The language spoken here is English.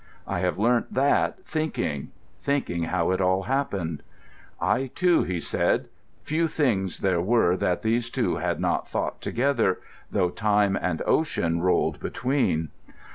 "I have learnt that thinking—thinking how it all happened." "I too," he said. Few things there were that these two had not thought together, though time and ocean rolled between.